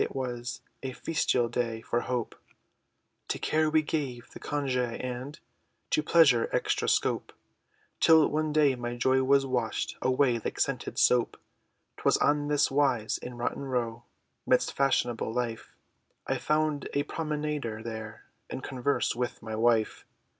it was A festal day, for hope, To care we gave the congè, and To pleasure, extra scope, Until one day, my joy was washed Away, like scented soap! 'Twas on this wise, In Rotten Row, Midst fashionable life, I found a promenader there, In converse, with my wife!